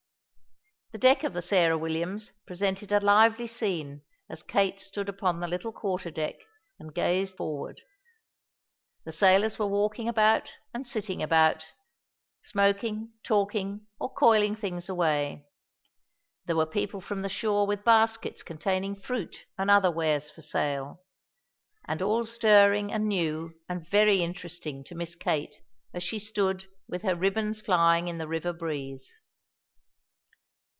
The deck of the Sarah Williams presented a lively scene as Kate stood upon the little quarter deck and gazed forward. The sailors were walking about and sitting about, smoking, talking, or coiling things away. There were people from the shore with baskets containing fruit and other wares for sale, and all stirring and new and very interesting to Miss Kate as she stood, with her ribbons flying in the river breeze.